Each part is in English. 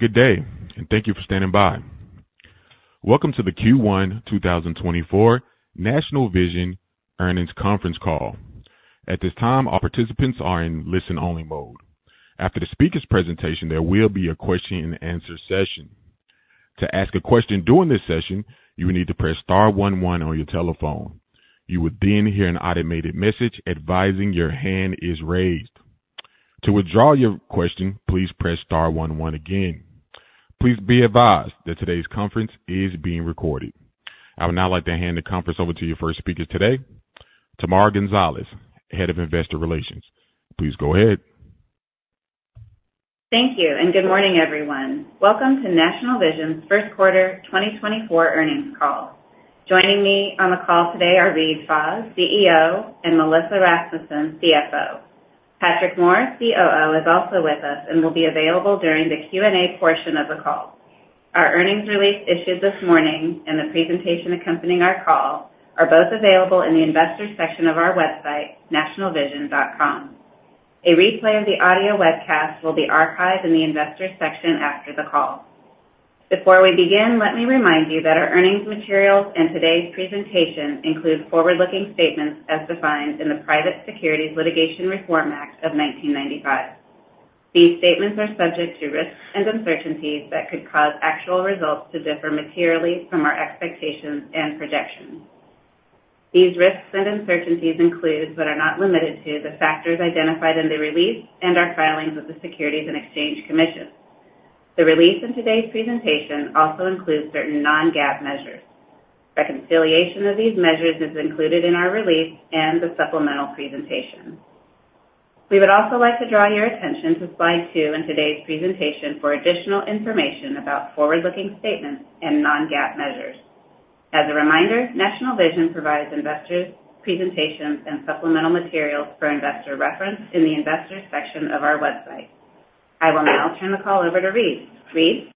Good day, and thank you for standing by. Welcome to the Q1 2024 National Vision Earnings Conference call. At this time, all participants are in listen-only mode. After the speaker's presentation, there will be a question-and-answer session. To ask a question during this session, you will need to press star one one on your telephone. You will then hear an automated message advising your hand is raised. To withdraw your question, please press star one one again. Please be advised that today's conference is being recorded. I would now like to hand the conference over to your first speaker today, Tamara Gonzalez, Head of Investor Relations. Please go ahead. Thank you, and good morning, everyone. Welcome to National Vision's first quarter 2024 earnings call. Joining me on the call today are Reade Fahs, CEO, and Melissa Rasmussen, CFO. Patrick Moore, COO, is also with us and will be available during the Q&A portion of the call. Our earnings release issued this morning and the presentation accompanying our call are both available in the investor section of our website, nationalvision.com. A replay of the audio webcast will be archived in the investor section after the call. Before we begin, let me remind you that our earnings materials and today's presentation include forward-looking statements as defined in the Private Securities Litigation Reform Act of 1995. These statements are subject to risks and uncertainties that could cause actual results to differ materially from our expectations and projections. These risks and uncertainties include but are not limited to the factors identified in the release and our filings with the Securities and Exchange Commission. The release and today's presentation also include certain non-GAAP measures. Reconciliation of these measures is included in our release and the supplemental presentation. We would also like to draw your attention to slide two in today's presentation for additional information about forward-looking statements and non-GAAP measures. As a reminder, National Vision provides investors' presentations and supplemental materials for investor reference in the investor section of our website. I will now turn the call over to Reade. Reade?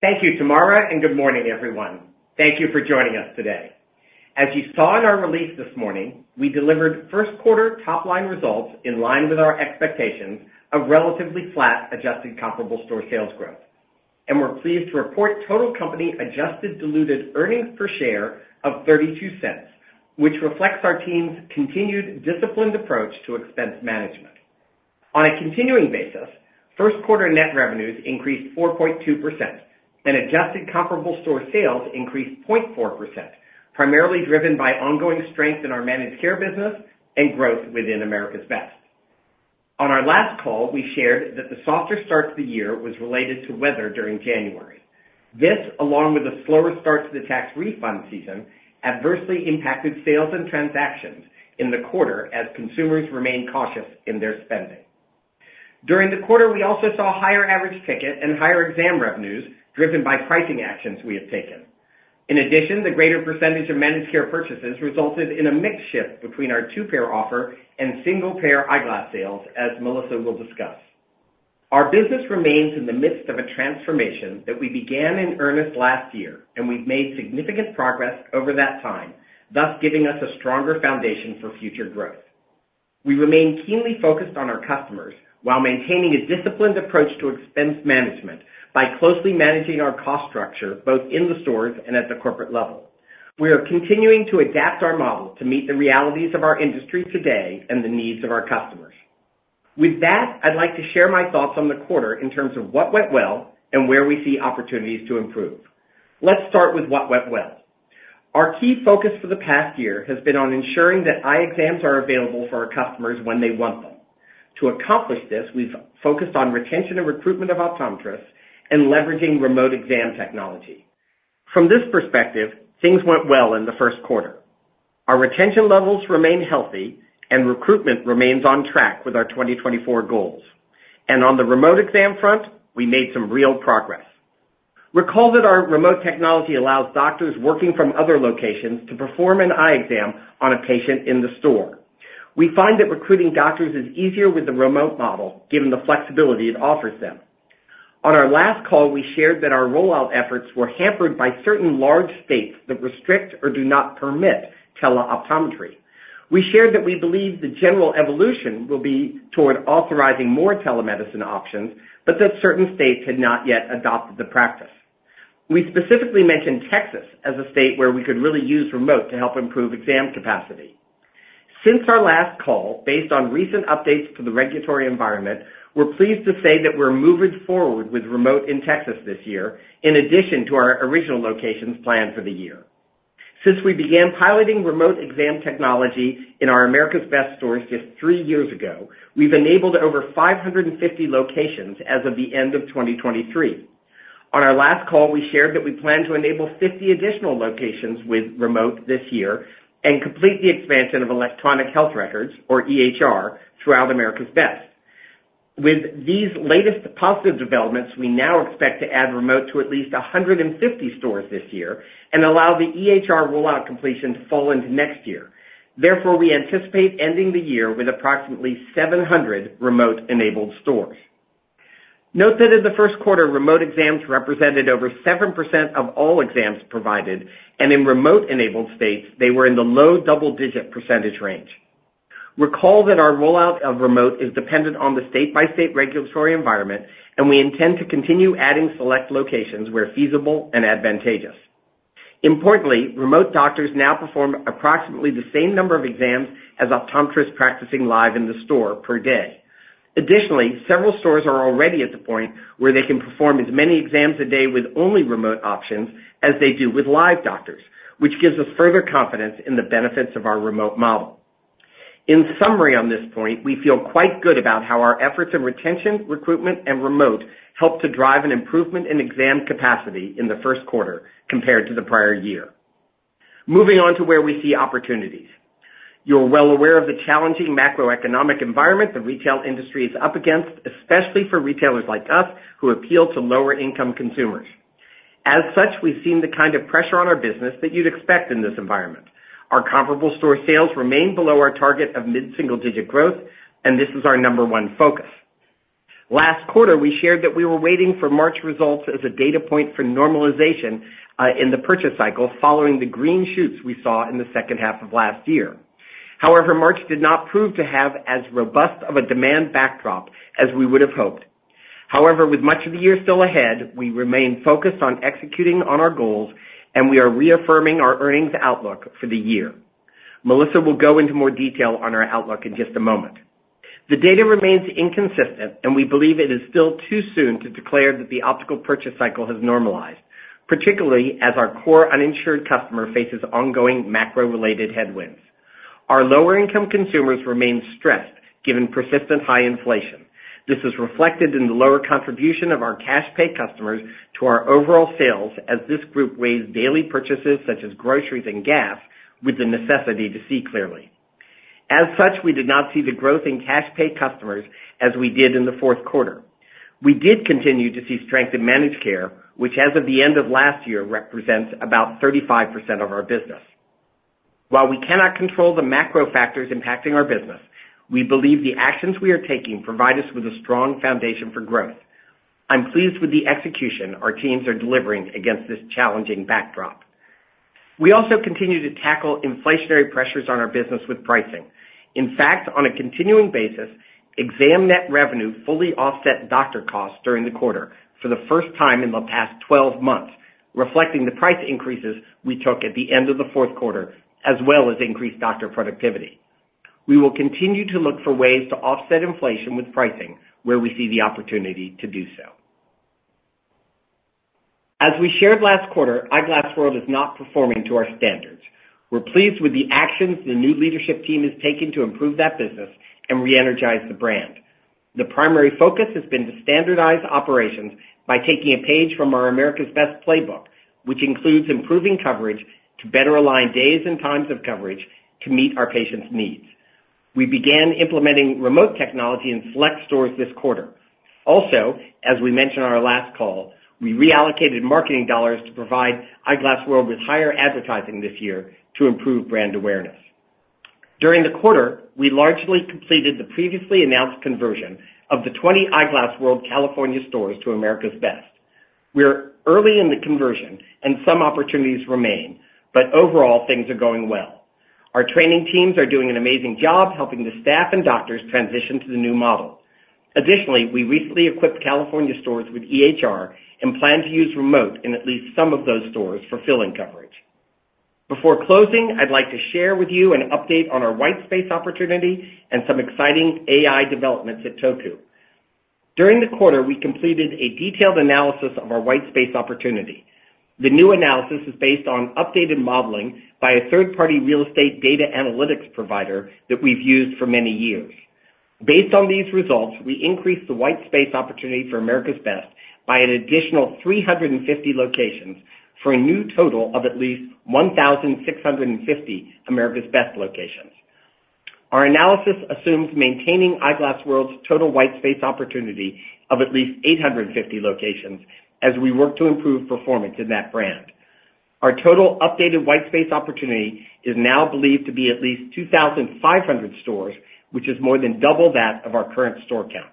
Thank you, Tamara, and good morning, everyone. Thank you for joining us today. As you saw in our release this morning, we delivered first quarter top-line results in line with our expectations of relatively flat adjusted comparable store sales growth. We're pleased to report total company adjusted diluted earnings per share of $0.32, which reflects our team's continued disciplined approach to expense management. On a continuing basis, first quarter net revenues increased 4.2%, and adjusted comparable store sales increased 0.4%, primarily driven by ongoing strength in our managed care business and growth within America's Best. On our last call, we shared that the softer start to the year was related to weather during January. This, along with a slower start to the tax refund season, adversely impacted sales and transactions in the quarter as consumers remained cautious in their spending. During the quarter, we also saw higher average ticket and higher exam revenues driven by pricing actions we had taken. In addition, the greater percentage of managed care purchases resulted in a mix shift between our two-pair offer and single-pair eyeglass sales, as Melissa will discuss. Our business remains in the midst of a transformation that we began in earnest last year, and we've made significant progress over that time, thus giving us a stronger foundation for future growth. We remain keenly focused on our customers while maintaining a disciplined approach to expense management by closely managing our cost structure both in the stores and at the corporate level. We are continuing to adapt our model to meet the realities of our industry today and the needs of our customers. With that, I'd like to share my thoughts on the quarter in terms of what went well and where we see opportunities to improve. Let's start with what went well. Our key focus for the past year has been on ensuring that eye exams are available for our customers when they want them. To accomplish this, we've focused on retention and recruitment of optometrists and leveraging remote exam technology. From this perspective, things went well in the first quarter. Our retention levels remain healthy, and recruitment remains on track with our 2024 goals. And on the remote exam front, we made some real progress. Recall that our remote technology allows doctors working from other locations to perform an eye exam on a patient in the store. We find that recruiting doctors is easier with the remote model given the flexibility it offers them. On our last call, we shared that our rollout efforts were hampered by certain large states that restrict or do not permit teleoptometry. We shared that we believe the general evolution will be toward authorizing more telemedicine options, but that certain states had not yet adopted the practice. We specifically mentioned Texas as a state where we could really use remote to help improve exam capacity. Since our last call, based on recent updates to the regulatory environment, we're pleased to say that we're moving forward with remote in Texas this year in addition to our original locations planned for the year. Since we began piloting remote exam technology in our America's Best stores just 3 years ago, we've enabled over 550 locations as of the end of 2023. On our last call, we shared that we plan to enable 50 additional locations with remote this year and complete the expansion of electronic health records, or EHR, throughout America's Best. With these latest positive developments, we now expect to add remote to at least 150 stores this year and allow the EHR rollout completion to fall into next year. Therefore, we anticipate ending the year with approximately 700 remote-enabled stores. Note that in the first quarter, remote exams represented over 7% of all exams provided, and in remote-enabled states, they were in the low double-digit percentage range. Recall that our rollout of remote is dependent on the state-by-state regulatory environment, and we intend to continue adding select locations where feasible and advantageous. Importantly, remote doctors now perform approximately the same number of exams as optometrists practicing live in the store per day. Additionally, several stores are already at the point where they can perform as many exams a day with only remote options as they do with live doctors, which gives us further confidence in the benefits of our remote model. In summary on this point, we feel quite good about how our efforts in retention, recruitment, and remote helped to drive an improvement in exam capacity in the first quarter compared to the prior year. Moving on to where we see opportunities. You're well aware of the challenging macroeconomic environment the retail industry is up against, especially for retailers like us who appeal to lower-income consumers. As such, we've seen the kind of pressure on our business that you'd expect in this environment. Our comparable store sales remain below our target of mid-single-digit growth, and this is our number one focus. Last quarter, we shared that we were waiting for March results as a data point for normalization in the purchase cycle following the green shoots we saw in the second half of last year. However, March did not prove to have as robust of a demand backdrop as we would have hoped. However, with much of the year still ahead, we remain focused on executing on our goals, and we are reaffirming our earnings outlook for the year. Melissa will go into more detail on our outlook in just a moment. The data remains inconsistent, and we believe it is still too soon to declare that the optical purchase cycle has normalized, particularly as our core uninsured customer faces ongoing macro-related headwinds. Our lower-income consumers remain stressed given persistent high inflation. This is reflected in the lower contribution of our cash-pay customers to our overall sales as this group weighs daily purchases such as groceries and gas with the necessity to see clearly. As such, we did not see the growth in cash-pay customers as we did in the fourth quarter. We did continue to see strength in managed care, which as of the end of last year represents about 35% of our business. While we cannot control the macro factors impacting our business, we believe the actions we are taking provide us with a strong foundation for growth. I'm pleased with the execution our teams are delivering against this challenging backdrop. We also continue to tackle inflationary pressures on our business with pricing. In fact, on a continuing basis, exam net revenue fully offset doctor costs during the quarter for the first time in the past 12 months, reflecting the price increases we took at the end of the fourth quarter as well as increased doctor productivity. We will continue to look for ways to offset inflation with pricing where we see the opportunity to do so. As we shared last quarter, Eyeglass World is not performing to our standards. We're pleased with the actions the new leadership team is taking to improve that business and reenergize the brand. The primary focus has been to standardize operations by taking a page from our America's Best Playbook, which includes improving coverage to better align days and times of coverage to meet our patients' needs. We began implementing remote technology in select stores this quarter. Also, as we mentioned on our last call, we reallocated marketing dollars to provide Eyeglass World with higher advertising this year to improve brand awareness. During the quarter, we largely completed the previously announced conversion of the 20 Eyeglass World California stores to America's Best. We're early in the conversion, and some opportunities remain, but overall things are going well. Our training teams are doing an amazing job helping the staff and doctors transition to the new model. Additionally, we recently equipped California stores with EHR and plan to use remote in at least some of those stores for filling coverage. Before closing, I'd like to share with you an update on our whitespace opportunity and some exciting AI developments at Toku. During the quarter, we completed a detailed analysis of our whitespace opportunity. The new analysis is based on updated modeling by a third-party real estate data analytics provider that we've used for many years. Based on these results, we increased the whitespace opportunity for America's Best by an additional 350 locations for a new total of at least 1,650 America's Best locations. Our analysis assumes maintaining Eyeglass World's total whitespace opportunity of at least 850 locations as we work to improve performance in that brand. Our total updated whitespace opportunity is now believed to be at least 2,500 stores, which is more than double that of our current store count.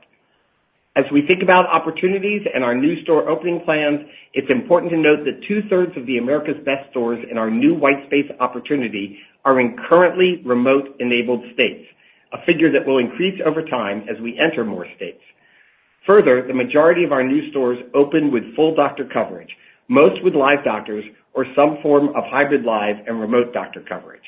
As we think about opportunities and our new store opening plans, it's important to note that two-thirds of the America's Best stores in our new whitespace opportunity are in currently remote-enabled states, a figure that will increase over time as we enter more states. Further, the majority of our new stores open with full doctor coverage, most with live doctors or some form of hybrid live and remote doctor coverage.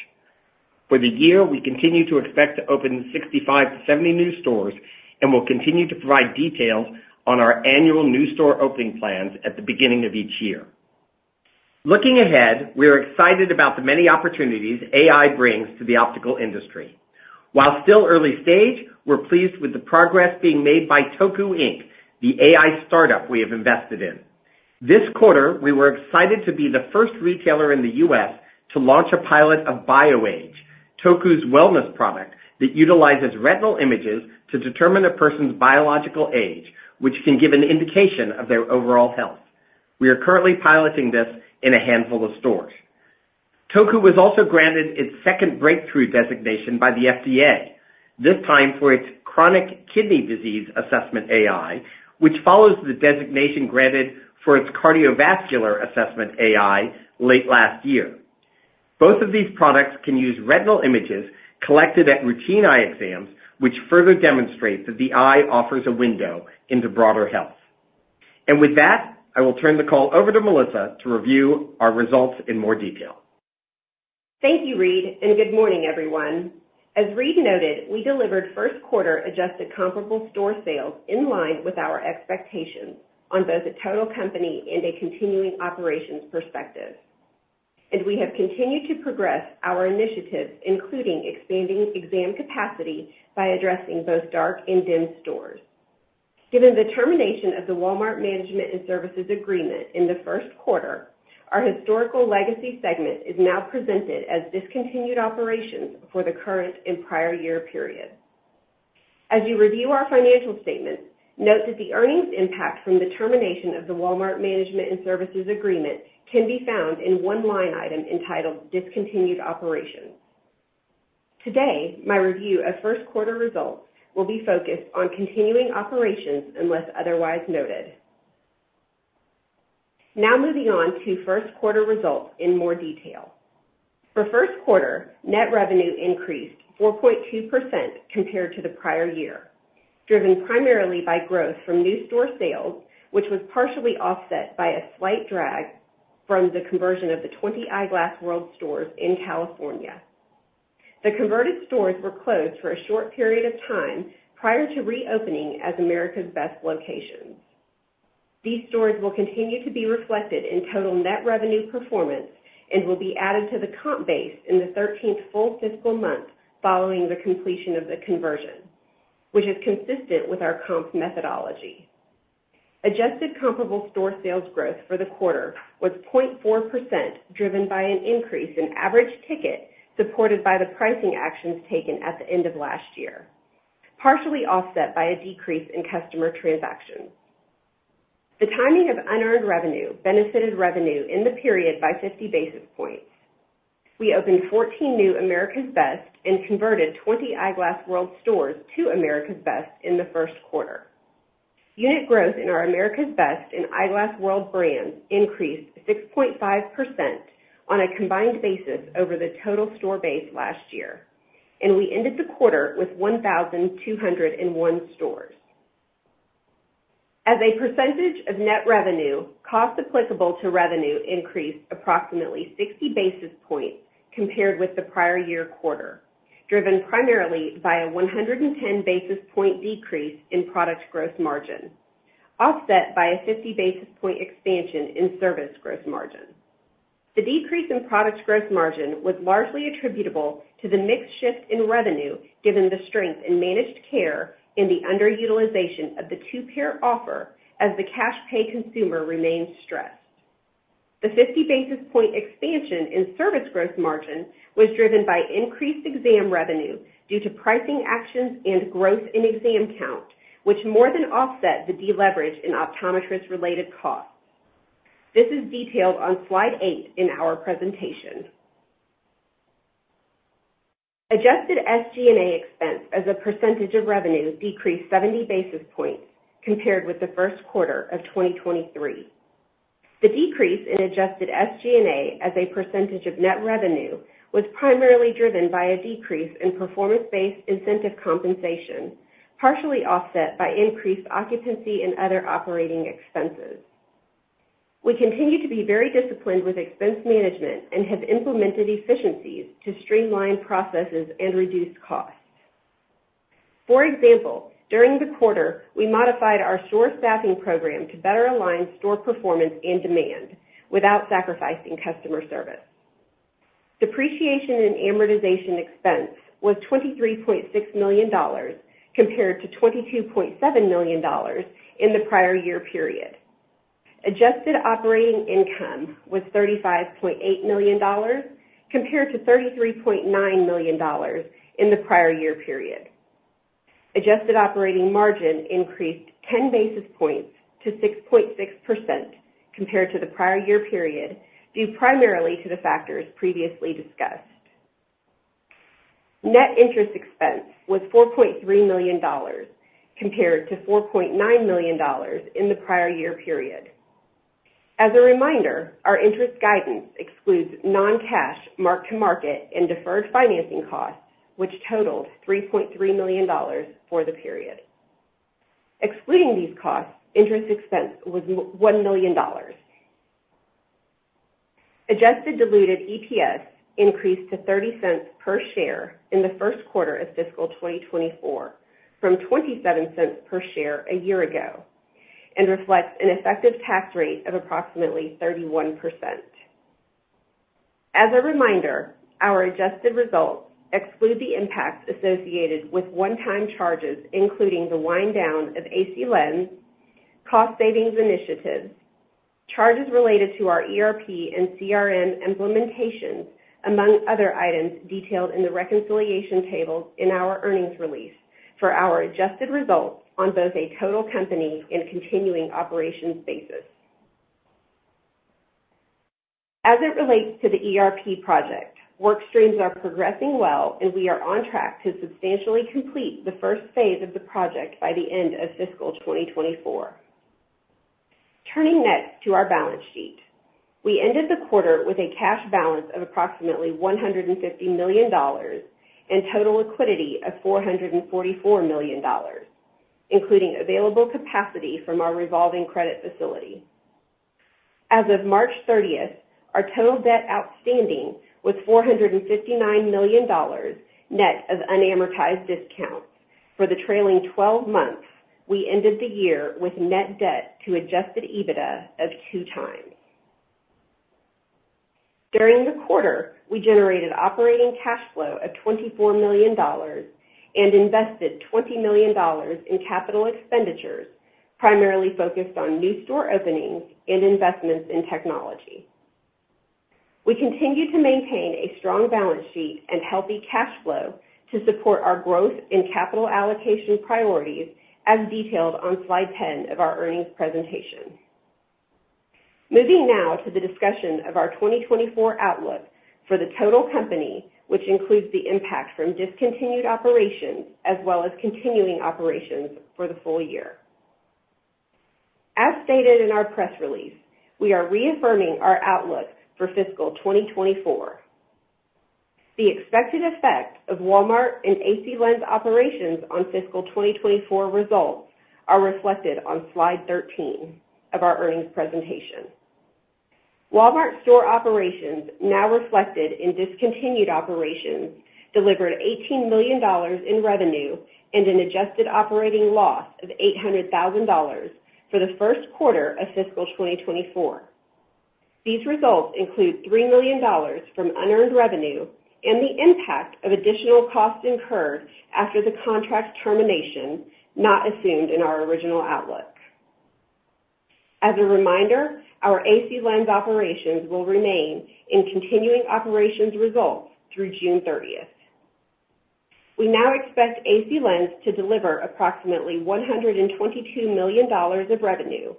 For the year, we continue to expect to open 65-70 new stores and will continue to provide details on our annual new store opening plans at the beginning of each year. Looking ahead, we are excited about the many opportunities AI brings to the optical industry. While still early stage, we're pleased with the progress being made by Toku, Inc., the AI startup we have invested in. This quarter, we were excited to be the first retailer in the U.S. to launch a pilot of BioAge, Toku's wellness product that utilizes retinal images to determine a person's biological age, which can give an indication of their overall health. We are currently piloting this in a handful of stores. Toku has also granted its second breakthrough designation by the FDA, this time for its Chronic Kidney Disease Assessment AI, which follows the designation granted for its Cardiovascular Assessment AI late last year. Both of these products can use retinal images collected at routine eye exams, which further demonstrate that the eye offers a window into broader health. And with that, I will turn the call over to Melissa to review our results in more detail. Thank you, Reade, and good morning, everyone. As Reade noted, we delivered first-quarter adjusted comparable store sales in line with our expectations on both a total company and a continuing operations perspective. We have continued to progress our initiatives, including expanding exam capacity by addressing both dark and dim stores. Given the termination of the Walmart Management and Services Agreement in the first quarter, our historical legacy segment is now presented as discontinued operations for the current and prior year period. As you review our financial statements, note that the earnings impact from the termination of the Walmart Management and Services Agreement can be found in one line item entitled Discontinued Operations. Today, my review of first-quarter results will be focused on continuing operations unless otherwise noted. Now moving on to first-quarter results in more detail. For first quarter, net revenue increased 4.2% compared to the prior year, driven primarily by growth from new store sales, which was partially offset by a slight drag from the conversion of the 20 Eyeglass World stores in California. The converted stores were closed for a short period of time prior to reopening as America's Best locations. These stores will continue to be reflected in total net revenue performance and will be added to the comp base in the 13th full fiscal month following the completion of the conversion, which is consistent with our comp methodology. Adjusted comparable store sales growth for the quarter was 0.4% driven by an increase in average ticket supported by the pricing actions taken at the end of last year, partially offset by a decrease in customer transactions. The timing of unearned revenue benefited revenue in the period by 50 basis points. We opened 14 new America's Best and converted 20 Eyeglass World stores to America's Best in the first quarter. Unit growth in our America's Best and Eyeglass World brands increased 6.5% on a combined basis over the total store base last year, and we ended the quarter with 1,201 stores. As a percentage of net revenue, cost applicable to revenue increased approximately 60 basis points compared with the prior year quarter, driven primarily by a 110 basis point decrease in product growth margin, offset by a 50 basis point expansion in service growth margin. The decrease in product growth margin was largely attributable to the mixed shift in revenue given the strength in managed care and the underutilization of the two-payer offer as the cash-pay consumer remained stressed. The 50 basis point expansion in service gross margin was driven by increased exam revenue due to pricing actions and growth in exam count, which more than offset the deleverage in optometrist-related costs. This is detailed on slide 8 in our presentation. Adjusted SG&A expense as a percentage of revenue decreased 70 basis points compared with the first quarter of 2023. The decrease in adjusted SG&A as a percentage of net revenue was primarily driven by a decrease in performance-based incentive compensation, partially offset by increased occupancy and other operating expenses. We continue to be very disciplined with expense management and have implemented efficiencies to streamline processes and reduce costs. For example, during the quarter, we modified our store staffing program to better align store performance and demand without sacrificing customer service. Depreciation and amortization expense was $23.6 million compared to $22.7 million in the prior year period. Adjusted operating income was $35.8 million compared to $33.9 million in the prior year period. Adjusted operating margin increased 10 basis points to 6.6% compared to the prior year period due primarily to the factors previously discussed. Net interest expense was $4.3 million compared to $4.9 million in the prior year period. As a reminder, our interest guidance excludes non-cash, mark-to-market, and deferred financing costs, which totaled $3.3 million for the period. Excluding these costs, interest expense was $1 million. Adjusted diluted EPS increased to $0.30 per share in the first quarter of fiscal 2024 from $0.27 per share a year ago and reflects an effective tax rate of approximately 31%. As a reminder, our adjusted results exclude the impacts associated with one-time charges, including the wind-down of AC Lens, cost-savings initiatives, charges related to our ERP and CRM implementations, among other items detailed in the reconciliation tables in our earnings release for our adjusted results on both a total company and continuing operations basis. As it relates to the ERP project, work streams are progressing well, and we are on track to substantially complete the first phase of the project by the end of fiscal 2024. Turning next to our balance sheet, we ended the quarter with a cash balance of approximately $150 million and total liquidity of $444 million, including available capacity from our revolving credit facility. As of March 30th, our total debt outstanding was $459 million net of unamortized discounts. For the trailing 12 months, we ended the year with net debt to adjusted EBITDA of 2x. During the quarter, we generated operating cash flow of $24 million and invested $20 million in capital expenditures, primarily focused on new store openings and investments in technology. We continue to maintain a strong balance sheet and healthy cash flow to support our growth and capital allocation priorities, as detailed on slide 10 of our earnings presentation. Moving now to the discussion of our 2024 outlook for the total company, which includes the impact from discontinued operations as well as continuing operations for the full year. As stated in our press release, we are reaffirming our outlook for fiscal 2024. The expected effect of Walmart and AC Lens operations on fiscal 2024 results are reflected on slide 13 of our earnings presentation. Walmart store operations, now reflected in discontinued operations, delivered $18 million in revenue and an adjusted operating loss of $800,000 for the first quarter of fiscal 2024. These results include $3 million from unearned revenue and the impact of additional costs incurred after the contract termination not assumed in our original outlook. As a reminder, our AC Lens operations will remain in continuing operations results through June 30th. We now expect AC Lens to deliver approximately $122 million of revenue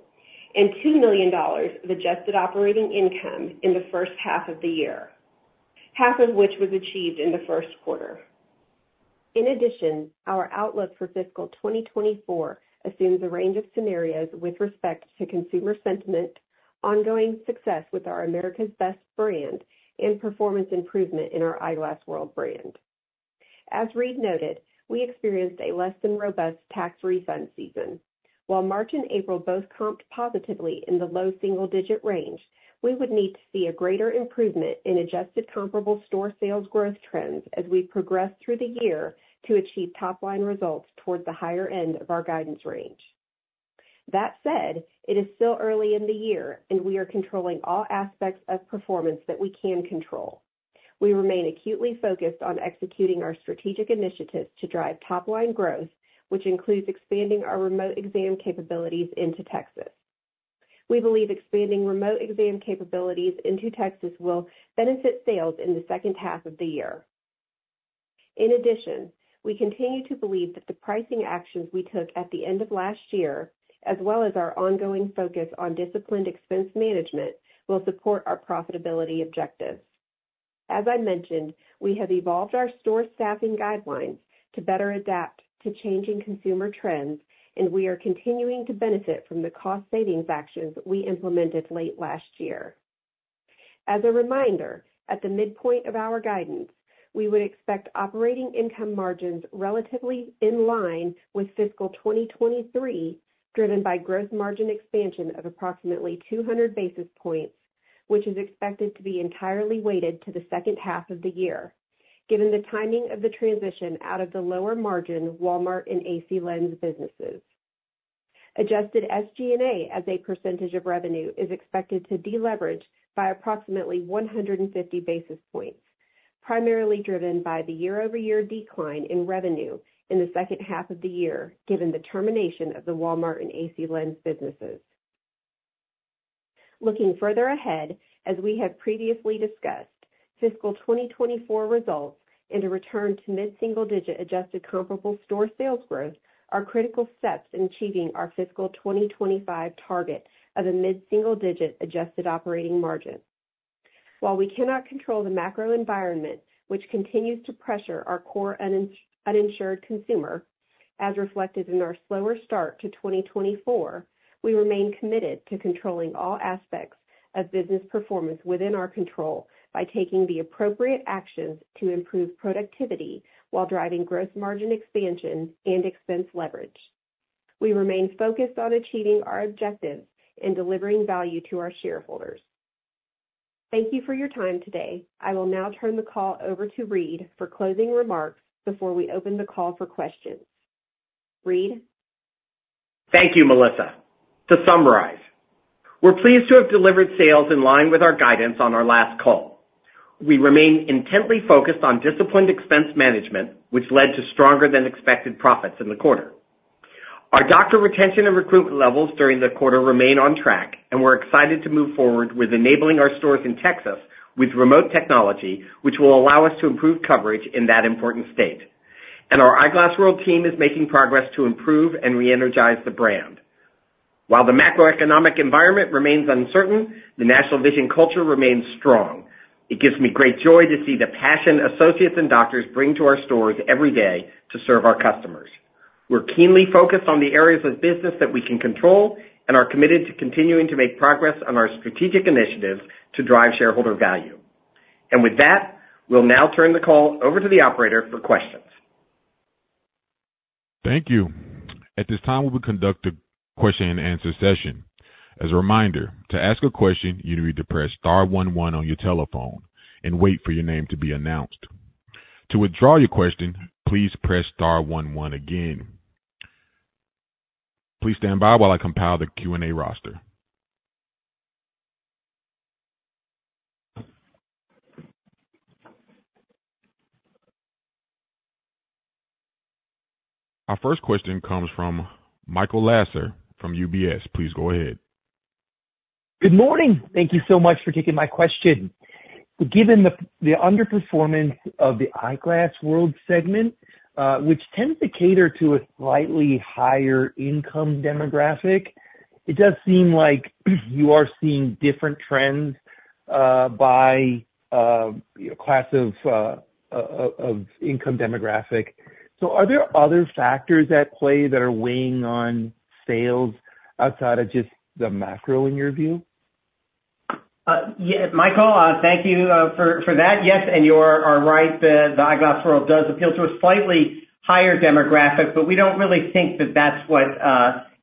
and $2 million of adjusted operating income in the first half of the year, half of which was achieved in the first quarter. In addition, our outlook for fiscal 2024 assumes a range of scenarios with respect to consumer sentiment, ongoing success with our America's Best brand, and performance improvement in our Eyeglass World brand. As Reade noted, we experienced a less than robust tax refund season. While March and April both comped positively in the low single-digit range, we would need to see a greater improvement in adjusted comparable store sales growth trends as we progress through the year to achieve top-line results towards the higher end of our guidance range. That said, it is still early in the year, and we are controlling all aspects of performance that we can control. We remain acutely focused on executing our strategic initiatives to drive top-line growth, which includes expanding our remote exam capabilities into Texas. We believe expanding remote exam capabilities into Texas will benefit sales in the second half of the year. In addition, we continue to believe that the pricing actions we took at the end of last year, as well as our ongoing focus on disciplined expense management, will support our profitability objectives. As I mentioned, we have evolved our store staffing guidelines to better adapt to changing consumer trends, and we are continuing to benefit from the cost-savings actions we implemented late last year. As a reminder, at the midpoint of our guidance, we would expect operating income margins relatively in line with fiscal 2023, driven by growth margin expansion of approximately 200 basis points, which is expected to be entirely weighted to the second half of the year, given the timing of the transition out of the lower margin Walmart and AC Lens businesses. Adjusted SG&A as a percentage of revenue is expected to deleverage by approximately 150 basis points, primarily driven by the year-over-year decline in revenue in the second half of the year, given the termination of the Walmart and AC Lens businesses. Looking further ahead, as we have previously discussed, fiscal 2024 results and a return to mid-single-digit adjusted comparable store sales growth are critical steps in achieving our fiscal 2025 target of a mid-single-digit adjusted operating margin. While we cannot control the macro environment, which continues to pressure our core uninsured consumer, as reflected in our slower start to 2024, we remain committed to controlling all aspects of business performance within our control by taking the appropriate actions to improve productivity while driving growth margin expansion and expense leverage. We remain focused on achieving our objectives and delivering value to our shareholders. Thank you for your time today. I will now turn the call over to Reade for closing remarks before we open the call for questions. Reade? Thank you, Melissa. To summarize, we're pleased to have delivered sales in line with our guidance on our last call. We remain intently focused on disciplined expense management, which led to stronger-than-expected profits in the quarter. Our doctor retention and recruitment levels during the quarter remain on track, and we're excited to move forward with enabling our stores in Texas with remote technology, which will allow us to improve coverage in that important state. Our Eyeglass World team is making progress to improve and reenergize the brand. While the macroeconomic environment remains uncertain, the National Vision culture remains strong. It gives me great joy to see the passion associates and doctors bring to our stores every day to serve our customers. We're keenly focused on the areas of business that we can control, and are committed to continuing to make progress on our strategic initiatives to drive shareholder value. With that, we'll now turn the call over to the operator for questions. Thank you. At this time, we will conduct a question-and-answer session. As a reminder, to ask a question, you need to press star 11 on your telephone and wait for your name to be announced. To withdraw your question, please press star 11 again. Please stand by while I compile the Q&A roster. Our first question comes from Michael Lasser from UBS. Please go ahead. Good morning. Thank you so much for taking my question. Given the underperformance of the Eyeglass World segment, which tends to cater to a slightly higher-income demographic, it does seem like you are seeing different trends by class of income demographic. So are there other factors at play that are weighing on sales outside of just the macro, in your view? Yeah, Michael, thank you for that. Yes, and you are right that the Eyeglass World does appeal to a slightly higher demographic, but we don't really think that that's what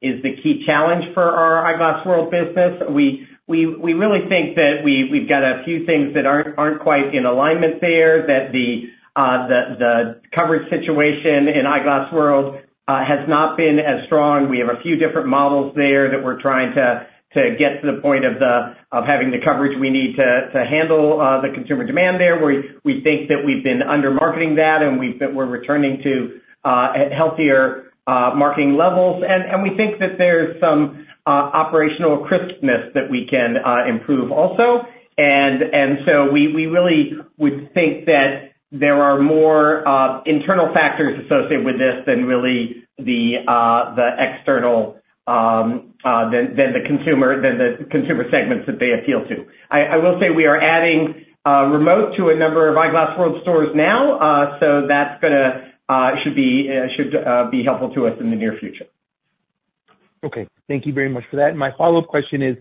is the key challenge for our Eyeglass World business. We really think that we've got a few things that aren't quite in alignment there, that the coverage situation in Eyeglass World has not been as strong. We have a few different models there that we're trying to get to the point of having the coverage we need to handle the consumer demand there. We think that we've been undermarketing that, and we're returning to healthier marketing levels. And we think that there's some operational crispness that we can improve also. And so we really would think that there are more internal factors associated with this than really the external than the consumer segments that they appeal to. I will say we are adding remote to a number of Eyeglass World stores now, so that should be helpful to us in the near future. Okay. Thank you very much for that. My follow-up question is,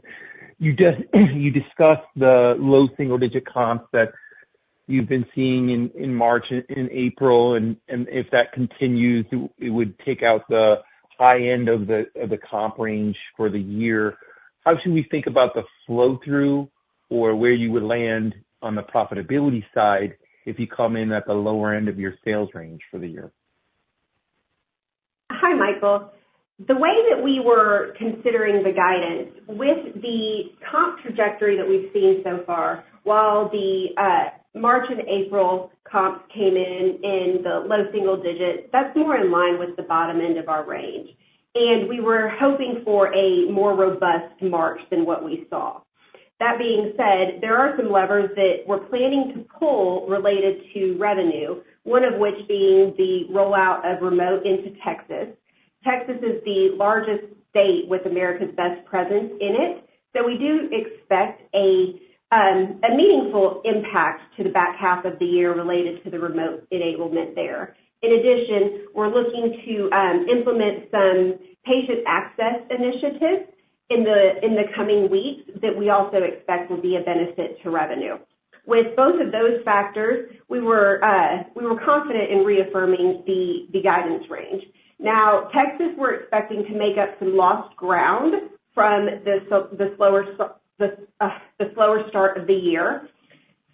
you discussed the low single-digit comps that you've been seeing in March and in April, and if that continues, it would take out the high end of the comp range for the year. How should we think about the flow-through or where you would land on the profitability side if you come in at the lower end of your sales range for the year? Hi, Michael. The way that we were considering the guidance, with the comp trajectory that we've seen so far, while the March and April comps came in in the low single digit, that's more in line with the bottom end of our range. And we were hoping for a more robust March than what we saw. That being said, there are some levers that we're planning to pull related to revenue, one of which being the rollout of remote into Texas. Texas is the largest state with America's Best presence in it, so we do expect a meaningful impact to the back half of the year related to the remote enablement there. In addition, we're looking to implement some patient access initiatives in the coming weeks that we also expect will be a benefit to revenue. With both of those factors, we were confident in reaffirming the guidance range. Now, Texas, we're expecting to make up some lost ground from the slower start of the year.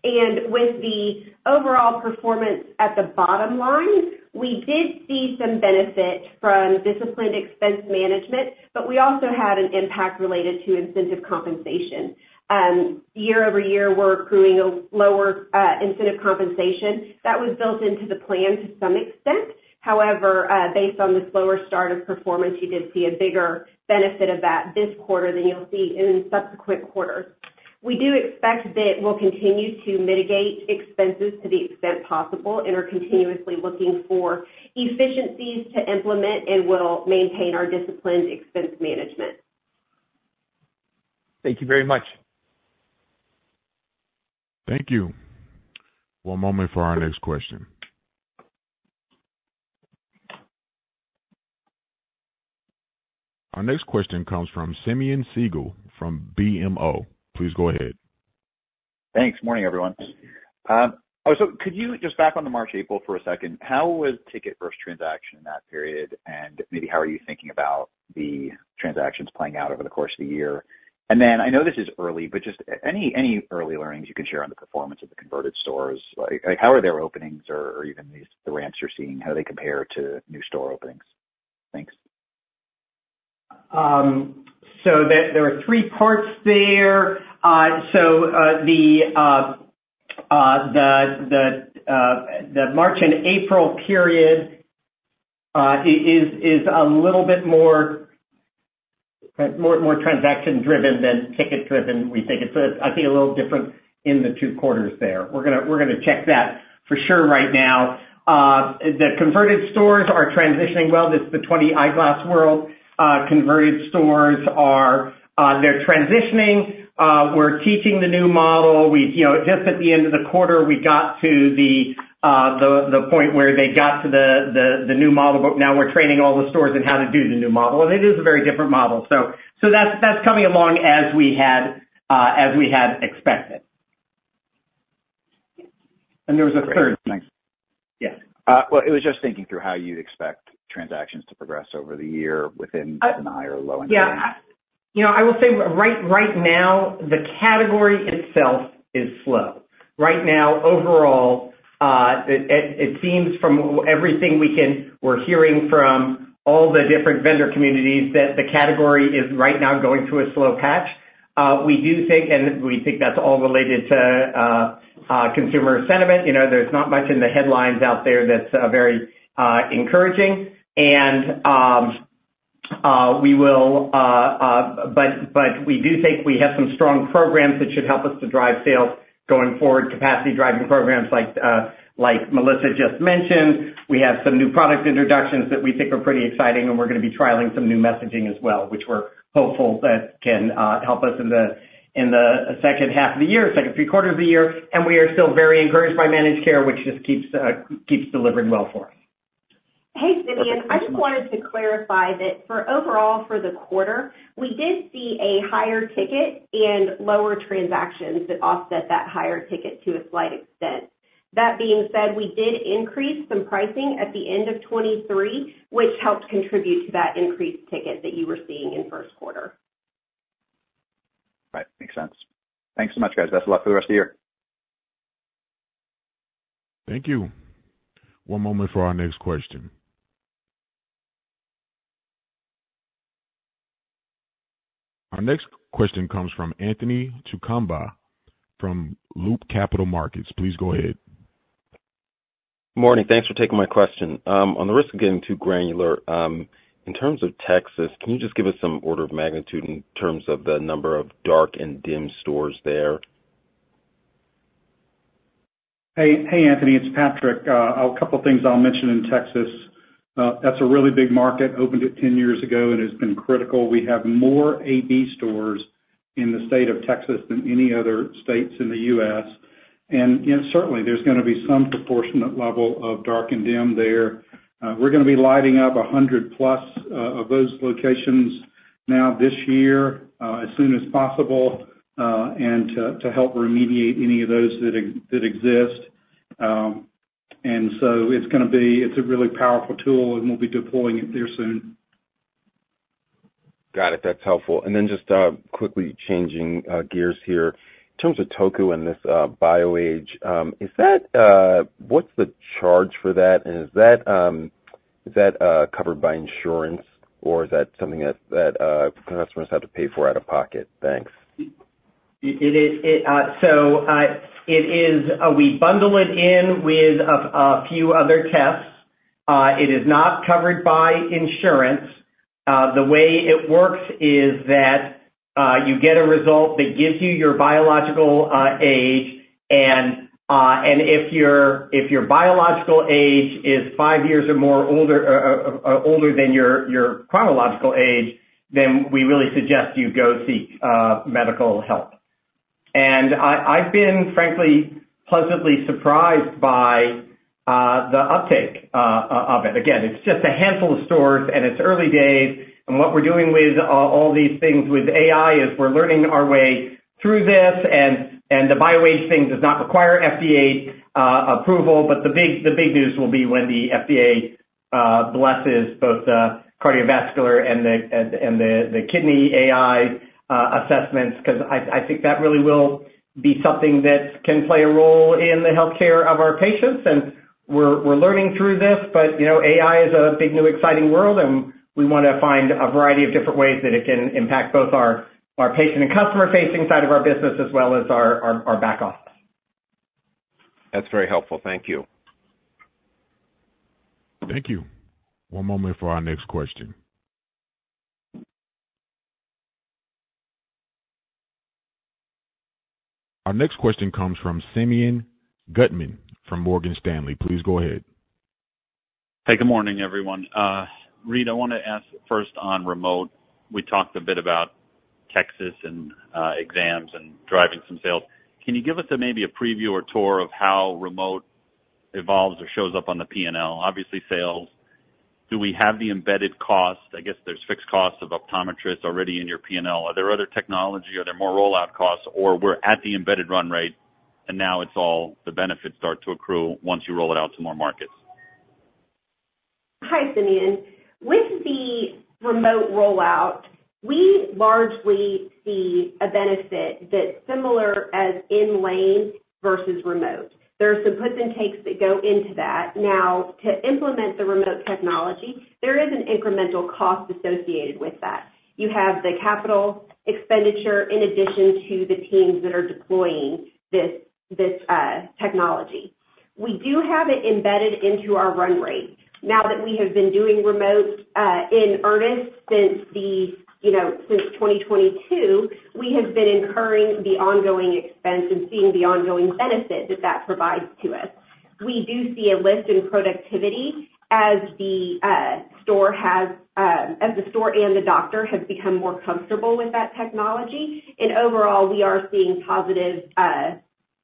And with the overall performance at the bottom line, we did see some benefit from disciplined expense management, but we also had an impact related to incentive compensation. Year-over-year, we're accruing a lower incentive compensation. That was built into the plan to some extent. However, based on the slower start of performance, you did see a bigger benefit of that this quarter than you'll see in subsequent quarters. We do expect that we'll continue to mitigate expenses to the extent possible and are continuously looking for efficiencies to implement and will maintain our disciplined expense management. Thank you very much. Thank you. One moment for our next question. Our next question comes from Simeon Siegel from BMO. Please go ahead. Thanks. Morning, everyone. So could you just back on the March, April for a second? How was ticket-first transaction in that period, and maybe how are you thinking about the transactions playing out over the course of the year? And then I know this is early, but just any early learnings you can share on the performance of the converted stores. How are their openings or even the ramps you're seeing? How do they compare to new store openings? Thanks. So there were three parts there. So the March and April period is a little bit more transaction-driven than ticket-driven, we think. So I see a little difference in the two quarters there. We're going to check that for sure right now. The converted stores are transitioning well. This is the 20 Eyeglass World converted stores, they're transitioning. We're teaching the new model. Just at the end of the quarter, we got to the point where they got to the new model, but now we're training all the stores in how to do the new model. And it is a very different model. So that's coming along as we had expected. And there was a third. Thanks. Well, it was just thinking through how you expect transactions to progress over the year within a high or low end of the year. Yeah. I will say right now, the category itself is slow. Right now, overall, it seems from everything we're hearing from all the different vendor communities that the category is right now going through a slow patch. We do think, and we think that's all related to consumer sentiment. There's not much in the headlines out there that's very encouraging. And we will, but we do think we have some strong programs that should help us to drive sales going forward, capacity-driving programs like Melissa just mentioned. We have some new product introductions that we think are pretty exciting, and we're going to be trialing some new messaging as well, which we're hopeful that can help us in the second half of the year, second three-quarters of the year. And we are still very encouraged by managed care, which just keeps delivering well for us. Hey, Simeon. I just wanted to clarify that overall, for the quarter, we did see a higher ticket and lower transactions that offset that higher ticket to a slight extent. That being said, we did increase some pricing at the end of 2023, which helped contribute to that increased ticket that you were seeing in first quarter. Right. Makes sense. Thanks so much, guys. Best of luck for the rest of the year. Thank you. One moment for our next question. Our next question comes from Anthony Chukumba from Loop Capital Markets. Please go ahead. Morning. Thanks for taking my question. On the risk of getting too granular, in terms of Texas, can you just give us some order of magnitude in terms of the number of dark and dim stores there? Hey, Anthony. It's Patrick. A couple of things I'll mention in Texas. That's a really big market, opened it 10 years ago, and it's been critical. We have more AB stores in the state of Texas than any other states in the U.S. And certainly, there's going to be some proportionate level of dark and dim there. We're going to be lighting up 100+ of those locations now this year as soon as possible and to help remediate any of those that exist. And so it's going to be a really powerful tool, and we'll be deploying it there soon. Got it. That's helpful. And then just quickly changing gears here. In terms of Toku and this BioAge, what's the charge for that? And is that covered by insurance, or is that something that customers have to pay for out of pocket? Thanks. So we bundle it in with a few other tests. It is not covered by insurance. The way it works is that you get a result that gives you your biological age. And if your biological age is five years or older than your chronological age, then we really suggest you go seek medical help. And I've been, frankly, pleasantly surprised by the uptake of it. Again, it's just a handful of stores, and it's early days. And what we're doing with all these things with AI is we're learning our way through this. And the BioAge thing does not require FDA approval, but the big news will be when the FDA blesses both the cardiovascular and the kidney AI assessments because I think that really will be something that can play a role in the healthcare of our patients. We're learning through this, but AI is a big, new, exciting world, and we want to find a variety of different ways that it can impact both our patient and customer-facing side of our business as well as our back office. That's very helpful. Thank you. Thank you. One moment for our next question. Our next question comes from Simeon Gutman from Morgan Stanley. Please go ahead. Hey, good morning, everyone. Reade, I want to ask first on remote. We talked a bit about Texas and exams and driving some sales. Can you give us maybe a preview or tour of how remote evolves or shows up on the P&L? Obviously, sales. Do we have the embedded cost? I guess there's fixed costs of optometrists already in your P&L. Are there other technology? Are there more rollout costs? Or we're at the embedded run rate, and now it's all the benefits start to accrue once you roll it out to more markets? Hi, Simeon. With the remote rollout, we largely see a benefit that's similar as in-lane versus remote. There are some puts and takes that go into that. Now, to implement the remote technology, there is an incremental cost associated with that. You have the capital expenditure in addition to the teams that are deploying this technology. We do have it embedded into our run rate. Now that we have been doing remote in earnest since 2022, we have been incurring the ongoing expense and seeing the ongoing benefit that that provides to us. We do see a lift in productivity as the store and the doctor have become more comfortable with that technology. And overall, we are seeing positive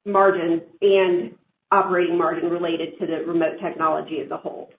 margins and operating margin related to the remote technology as a whole.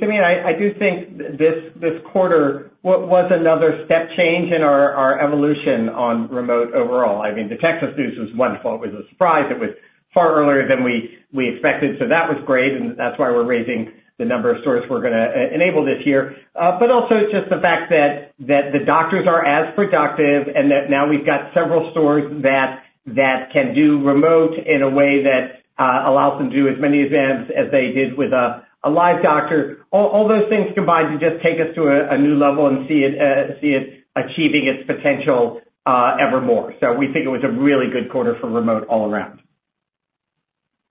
Simeon, I do think this quarter was another step change in our evolution on remote overall. I mean, the Texas news was wonderful. It was a surprise. It was far earlier than we expected. So that was great, and that's why we're raising the number of stores we're going to enable this year. But also just the fact that the doctors are as productive and that now we've got several stores that can do remote in a way that allows them to do as many exams as they did with a live doctor. All those things combined to just take us to a new level and see it achieving its potential ever more. So we think it was a really good quarter for remote all around.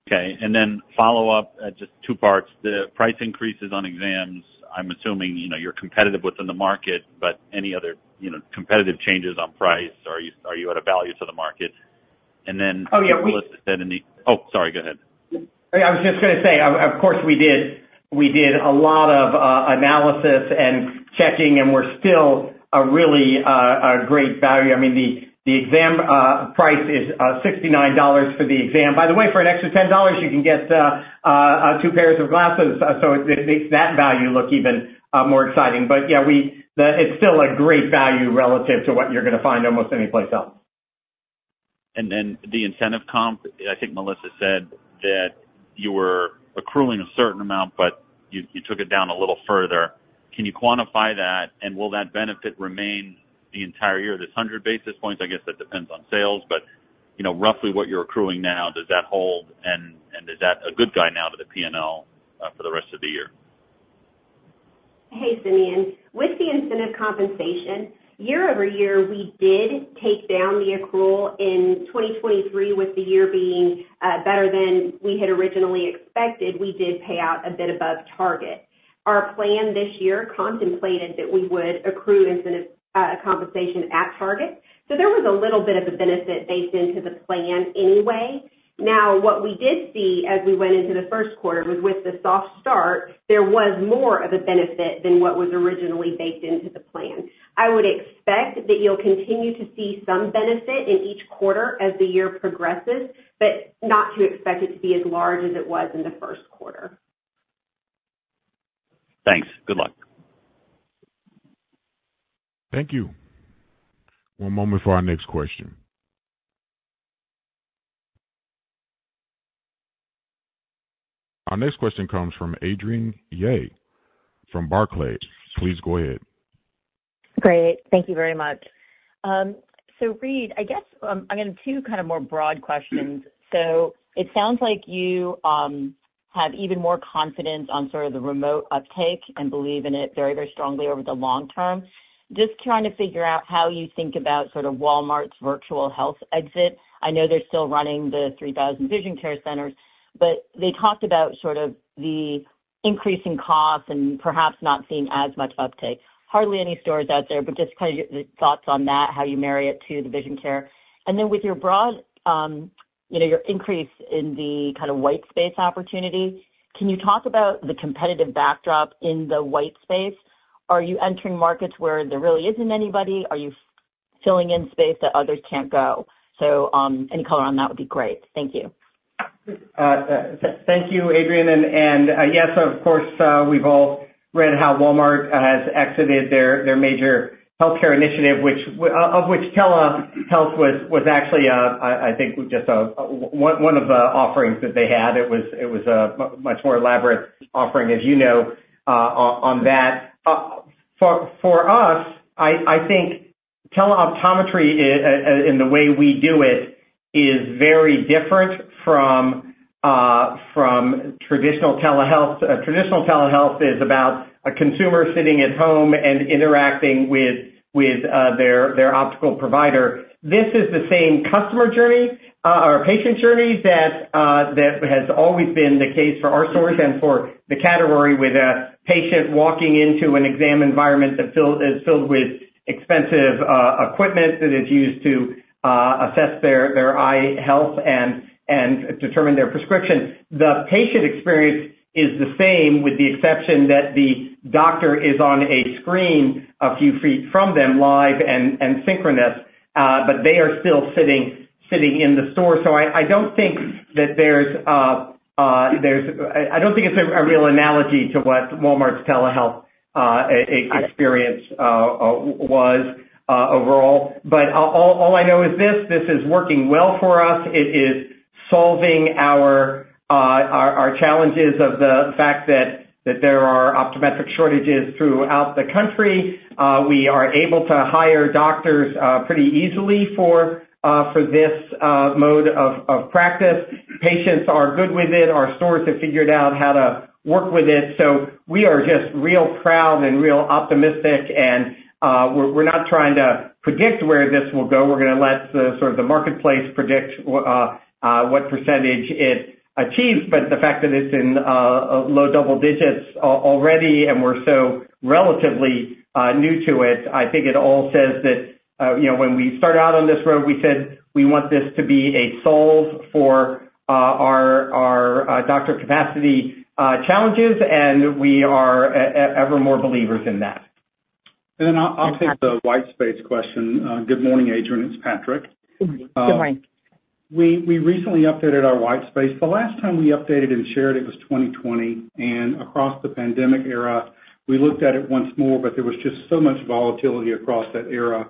Okay. And then follow-up, just two parts. The price increases on exams, I'm assuming you're competitive within the market, but any other competitive changes on price? Are you at a value to the market? And then Melissa said in the—oh, sorry. Go ahead. I was just going to say, of course, we did a lot of analysis and checking, and we're still a really great value. I mean, the exam price is $69 for the exam. By the way, for an extra $10, you can get two pairs of glasses. So it makes that value look even more exciting. But yeah, it's still a great value relative to what you're going to find almost anyplace else. And then the incentive comp, I think Melissa said that you were accruing a certain amount, but you took it down a little further. Can you quantify that, and will that benefit remain the entire year? This 100 basis points, I guess that depends on sales, but roughly what you're accruing now, does that hold, and is that a good gauge now to the P&L for the rest of the year? Hey, Simeon. With the incentive compensation, year-over-year, we did take down the accrual in 2023 with the year being better than we had originally expected. We did pay out a bit above target. Our plan this year contemplated that we would accrue incentive compensation at target. So there was a little bit of a benefit baked into the plan anyway. Now, what we did see as we went into the first quarter was with the soft start, there was more of a benefit than what was originally baked into the plan. I would expect that you'll continue to see some benefit in each quarter as the year progresses, but not to expect it to be as large as it was in the first quarter. Thanks. Good luck. Thank you. One moment for our next question. Our next question comes from Adrienne Yih from Barclays. Please go ahead. Great. Thank you very much. So Reade, I guess I'm going to do kind of more broad questions. So it sounds like you have even more confidence on sort of the remote uptake and believe in it very, very strongly over the long term. Just trying to figure out how you think about sort of Walmart's virtual health exit. I know they're still running the 3,000 vision care centers, but they talked about sort of the increasing costs and perhaps not seeing as much uptake. Hardly any stores out there, but just kind of your thoughts on that, how you marry it to the vision care. And then with your broad your increase in the kind of white space opportunity, can you talk about the competitive backdrop in the white space? Are you entering markets where there really isn't anybody? Are you filling in space that others can't go? Any color on that would be great. Thank you. Thank you, Adrienne. And yes, of course, we've all read how Walmart has exited their major healthcare initiative, of which telehealth was actually, I think, just one of the offerings that they had. It was a much more elaborate offering, as you know, on that. For us, I think teleoptometry in the way we do it is very different from traditional telehealth. Traditional telehealth is about a consumer sitting at home and interacting with their optical provider. This is the same customer journey or patient journey that has always been the case for our stores and for the category with a patient walking into an exam environment that is filled with expensive equipment that is used to assess their eye health and determine their prescription. The patient experience is the same with the exception that the doctor is on a screen a few feet from them live and synchronous, but they are still sitting in the store. So I don't think it's a real analogy to what Walmart's telehealth experience was overall. But all I know is this. This is working well for us. It is solving our challenges of the fact that there are optometric shortages throughout the country. We are able to hire doctors pretty easily for this mode of practice. Patients are good with it. Our stores have figured out how to work with it. So we are just real proud and real optimistic, and we're not trying to predict where this will go. We're going to let sort of the marketplace predict what percentage it achieves. The fact that it's in low double digits already and we're so relatively new to it, I think it all says that when we started out on this road, we said we want this to be a solve for our doctor capacity challenges, and we are ever more believers in that. And then I'll take the whitespace question. Good morning, Adrienne. It's Patrick. Good morning. We recently updated our white space. The last time we updated and shared it was 2020. Across the pandemic era, we looked at it once more, but there was just so much volatility across that era.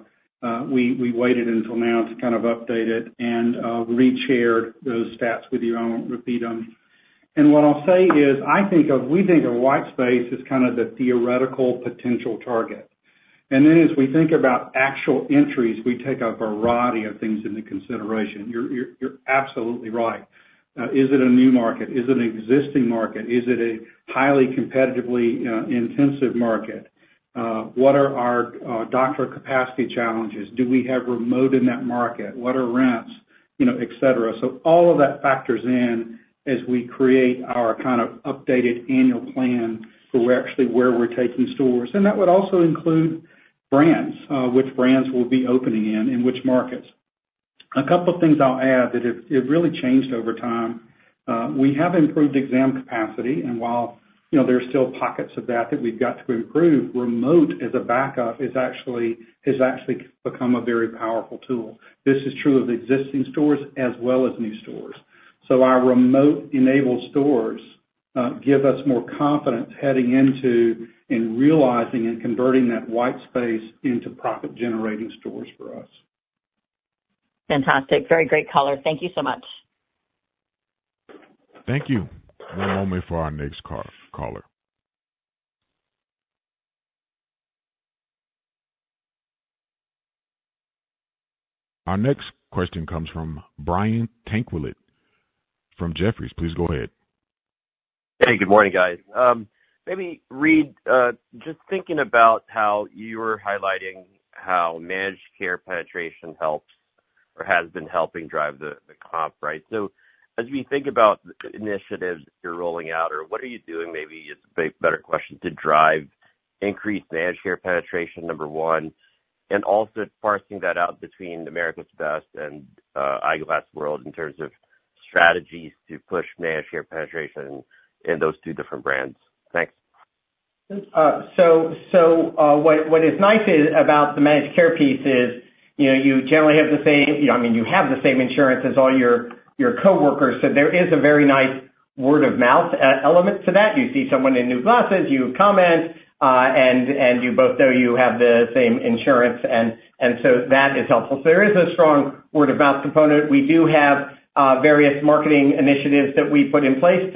We waited until now to kind of update it and re-shared those stats with you. I won't repeat them. What I'll say is we think of white space as kind of the theoretical potential target. Then as we think about actual entries, we take a variety of things into consideration. You're absolutely right. Is it a new market? Is it an existing market? Is it a highly competitively intensive market? What are our doctor capacity challenges? Do we have remote in that market? What are rents, etc.? So all of that factors in as we create our kind of updated annual plan for actually where we're taking stores. That would also include brands, which brands we'll be opening in, in which markets. A couple of things I'll add that have really changed over time. We have improved exam capacity. While there are still pockets of that that we've got to improve, remote as a backup has actually become a very powerful tool. This is true of existing stores as well as new stores. Our remote-enabled stores give us more confidence heading into and realizing and converting that whitespace into profit-generating stores for us. Fantastic. Very great caller. Thank you so much. Thank you. One moment for our next caller. Our next question comes from Brian Tanquilut from Jefferies. Please go ahead. Hey, good morning, guys. Maybe Reade, just thinking about how you were highlighting how managed care penetration helps or has been helping drive the comp, right? So as we think about initiatives that you're rolling out, or what are you doing? Maybe it's a better question to drive increased managed care penetration, number one, and also parsing that out between America's Best and Eyeglass World in terms of strategies to push managed care penetration in those two different brands. Thanks. So what is nice about the managed care piece is you generally have the same—I mean, you have the same insurance as all your coworkers. So there is a very nice word-of-mouth element to that. You see someone in new glasses, you comment, and you both know you have the same insurance. And so that is helpful. So there is a strong word-of-mouth component. We do have various marketing initiatives that we put in place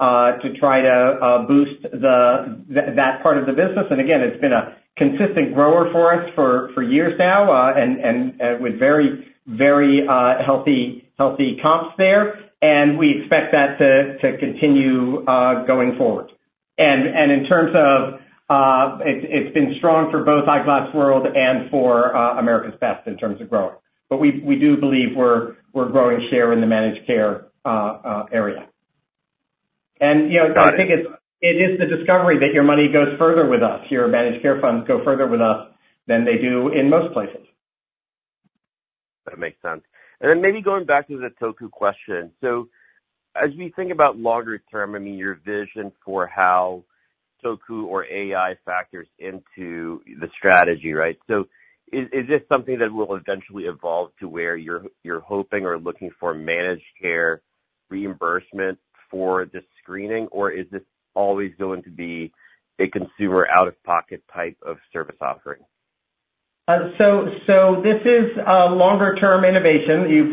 to try to boost that part of the business. And again, it's been a consistent grower for us for years now with very, very healthy comps there. And we expect that to continue going forward. And in terms of it's been strong for both Eyeglass World and for America's Best in terms of growing. But we do believe we're growing share in the managed care area. I think it is the discovery that your money goes further with us. Your managed care funds go further with us than they do in most places. That makes sense. And then maybe going back to the Toku question. So as we think about longer term, I mean, your vision for how Toku or AI factors into the strategy, right? So is this something that will eventually evolve to where you're hoping or looking for managed care reimbursement for this screening, or is this always going to be a consumer-out-of-pocket type of service offering? So this is a longer-term innovation. You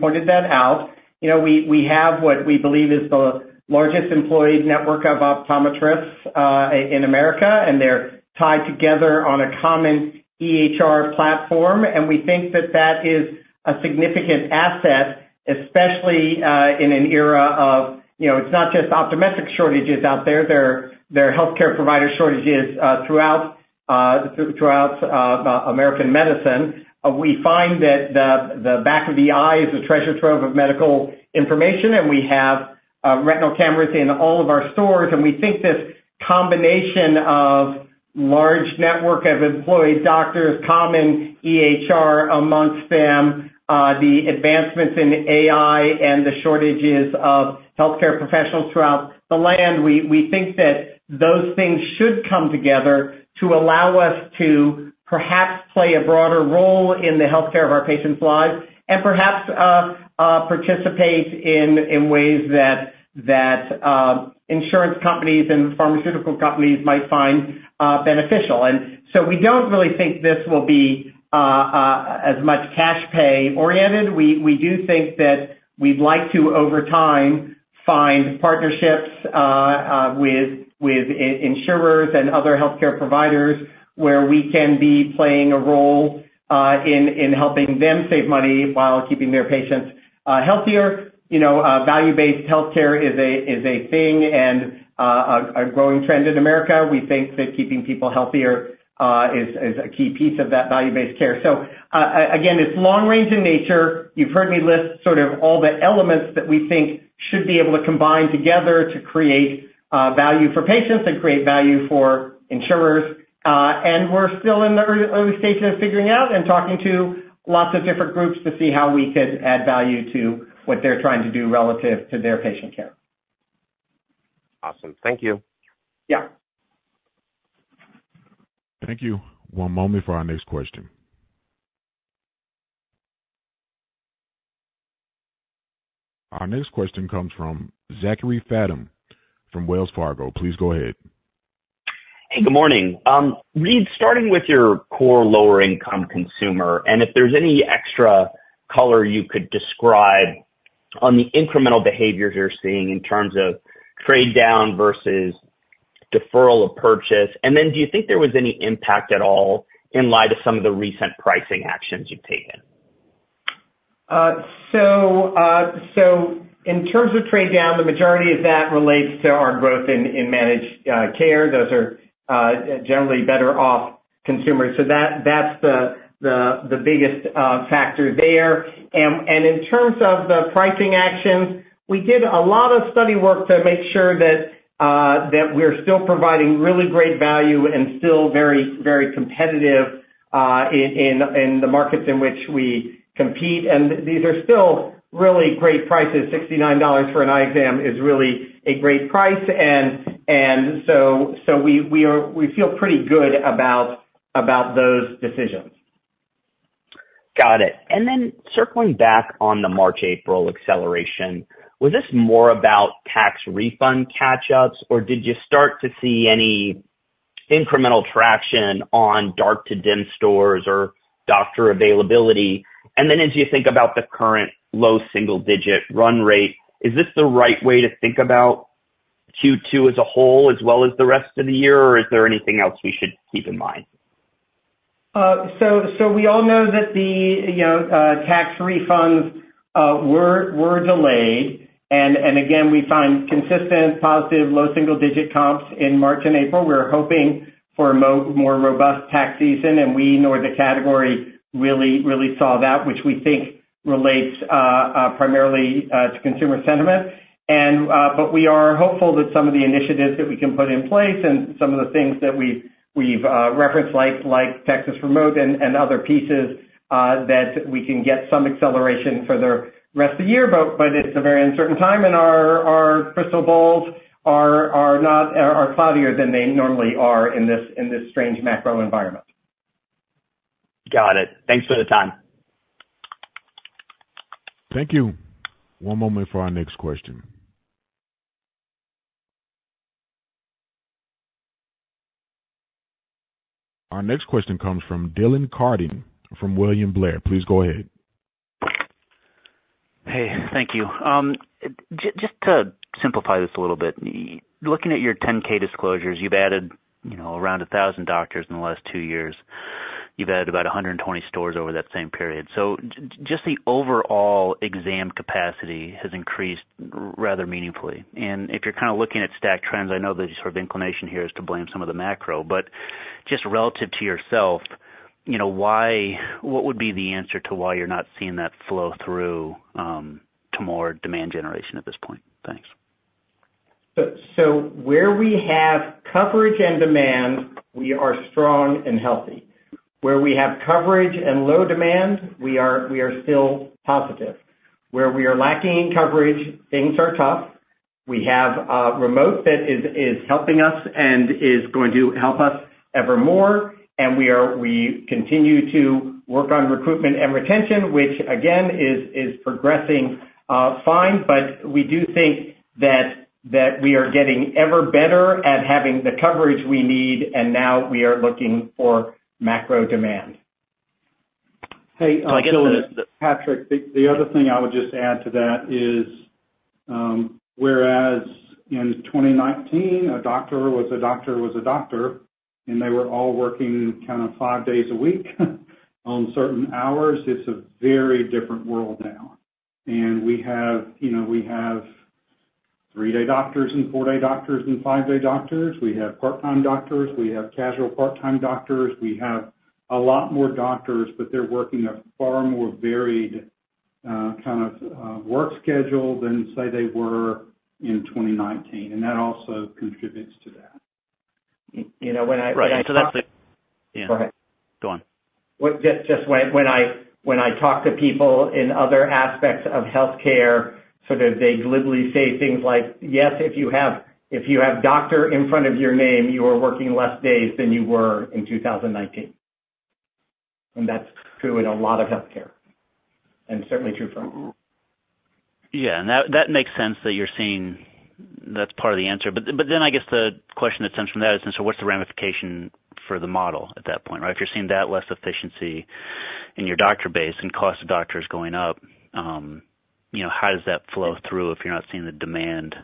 pointed that out. We have what we believe is the largest employed network of optometrists in America, and they're tied together on a common EHR platform. And we think that that is a significant asset, especially in an era of, it's not just optometric shortages out there. There are healthcare provider shortages throughout American medicine. We find that the back of the eye is a treasure trove of medical information, and we have retinal cameras in all of our stores. And we think this combination of large network of employed doctors, common EHR among them, the advancements in AI, and the shortages of healthcare professionals throughout the land, we think that those things should come together to allow us to perhaps play a broader role in the healthcare of our patients' lives and perhaps participate in ways that insurance companies and pharmaceutical companies might find beneficial. And so we don't really think this will be as much cash-pay oriented. We do think that we'd like to, over time, find partnerships with insurers and other healthcare providers where we can be playing a role in helping them save money while keeping their patients healthier. Value-based healthcare is a thing and a growing trend in America. We think that keeping people healthier is a key piece of that value-based care. So again, it's long-range in nature. You've heard me list sort of all the elements that we think should be able to combine together to create value for patients and create value for insurers. We're still in the early stages of figuring out and talking to lots of different groups to see how we could add value to what they're trying to do relative to their patient care. Awesome. Thank you. Yeah. Thank you. One moment for our next question. Our next question comes from Zachary Fadem from Wells Fargo. Please go ahead. Hey, good morning. Reade, starting with your core lower-income consumer, and if there's any extra color you could describe on the incremental behaviors you're seeing in terms of trade-down versus deferral of purchase, and then do you think there was any impact at all in light of some of the recent pricing actions you've taken? So in terms of trade-down, the majority of that relates to our growth in managed care. Those are generally better-off consumers. So that's the biggest factor there. And in terms of the pricing actions, we did a lot of study work to make sure that we're still providing really great value and still very, very competitive in the markets in which we compete. And these are still really great prices. $69 for an eye exam is really a great price. And so we feel pretty good about those decisions. Got it. And then circling back on the March-April acceleration, was this more about tax refund catch-ups, or did you start to see any incremental traction on dark-to-dim stores or doctor availability? And then as you think about the current low single-digit run rate, is this the right way to think about Q2 as a whole as well as the rest of the year, or is there anything else we should keep in mind? We all know that the tax refunds were delayed. Again, we find consistent positive low single-digit comps in March and April. We're hoping for a more robust tax season, and we, nor the category, really saw that, which we think relates primarily to consumer sentiment. We are hopeful that some of the initiatives that we can put in place and some of the things that we've referenced, like Texas Remote and other pieces, that we can get some acceleration for the rest of the year. It's a very uncertain time, and our crystal balls are cloudier than they normally are in this strange macro environment. Got it. Thanks for the time. Thank you. One moment for our next question. Our next question comes from Dylan Carden from William Blair. Please go ahead. Hey, thank you. Just to simplify this a little bit, looking at your 10-K disclosures, you've added around 1,000 doctors in the last two years. You've added about 120 stores over that same period. So just the overall exam capacity has increased rather meaningfully. And if you're kind of looking at stack trends, I know that sort of inclination here is to blame some of the macro, but just relative to yourself, what would be the answer to why you're not seeing that flow through to more demand generation at this point? Thanks. So where we have coverage and demand, we are strong and healthy. Where we have coverage and low demand, we are still positive. Where we are lacking coverage, things are tough. We have Remote that is helping us and is going to help us ever more. And we continue to work on recruitment and retention, which, again, is progressing fine. But we do think that we are getting ever better at having the coverage we need, and now we are looking for macro demand. Hey, I guess, Patrick, the other thing I would just add to that is whereas in 2019, a doctor was a doctor was a doctor, and they were all working kind of five days a week on certain hours, it's a very different world now. And we have three-day doctors and four-day doctors and five-day doctors. We have part-time doctors. We have casual part-time doctors. We have a lot more doctors, but they're working a far more varied kind of work schedule than, say, they were in 2019. And that also contributes to that. When I so, that's the yeah. Go ahead. Go on. Just when I talk to people in other aspects of healthcare, sort of they glibly say things like, "Yes, if you have doctor in front of your name, you are working less days than you were in 2019." And that's true in a lot of healthcare and certainly true for us. Yeah. And that makes sense that you're seeing that's part of the answer. But then I guess the question that stems from that is, and so what's the ramification for the model at that point, right? If you're seeing that less efficiency in your doctor base and cost of doctors going up, how does that flow through if you're not seeing the demand